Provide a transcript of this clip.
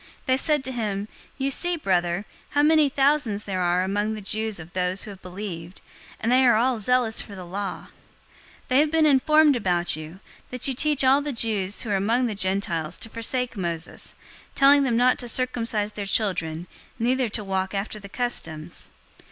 They said to him, "You see, brother, how many thousands there are among the Jews of those who have believed, and they are all zealous for the law. 021:021 They have been informed about you, that you teach all the Jews who are among the Gentiles to forsake Moses, telling them not to circumcise their children neither to walk after the customs.